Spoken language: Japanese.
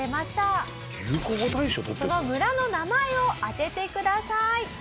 その村の名前を当ててください。